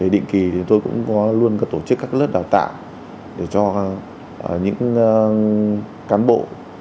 định kỳ thì tôi cũng luôn có tổ chức các lớp đào tạo để cho những cán bộ